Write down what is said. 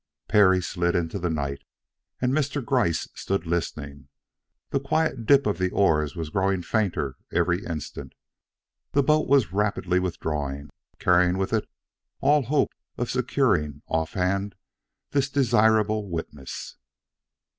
Perry slid into the night, and Mr. Gryce stood listening. The quiet dip of the oars was growing fainter every instant. The boat was rapidly withdrawing, carrying with it all hope of securing off hand this desirable witness.